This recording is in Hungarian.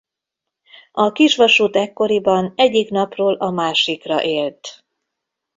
A kisvasút ekkoriban egyik napról a másikra élt.